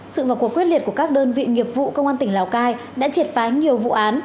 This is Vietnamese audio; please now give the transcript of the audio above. sự vào cuộc quyết liệt của các đơn vị nghiệp vụ công an tỉnh lào cai đã triệt phá nhiều vụ án